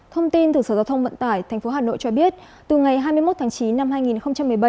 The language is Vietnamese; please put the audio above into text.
thông tin từ sở giao thông vận tải tp hà nội cho biết từ ngày hai mươi một tháng chín năm hai nghìn một mươi bảy